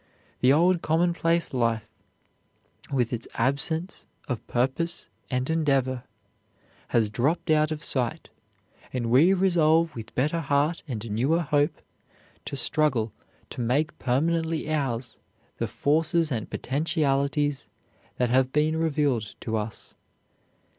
The old commonplace life, with its absence of purpose and endeavor, has dropped out of sight, and we resolve, with better heart and newer hope, to struggle to make permanently ours the forces and potentialities that have been revealed to us.